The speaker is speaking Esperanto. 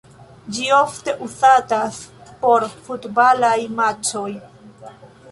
Ĝi ofte uzatas por futbalaj matĉoj.